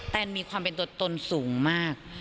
แนนมีความเป็นตัวตนสูงมาก